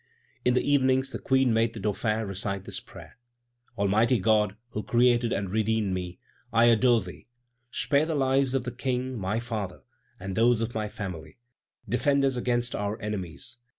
In the evenings the Queen made the Dauphin recite this prayer: "Almighty God, who created and redeemed me, I adore Thee. Spare the lives of the King, my father, and those of my family! Defend us against our enemies!